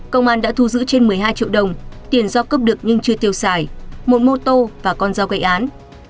công an đã thu giữ trên một mươi hai triệu đồng tiền do cướp được nhưng chưa tiêu xài một mô tô và con dao gây án